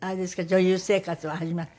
女優生活は始まった。